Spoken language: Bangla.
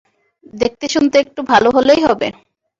দেখতে শুনতে একটু ভালো হলেই হবে।